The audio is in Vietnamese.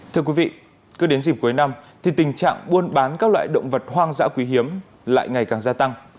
thưa quý vị cứ đến dịp cuối năm thì tình trạng buôn bán các loại động vật hoang dã quý hiếm lại ngày càng gia tăng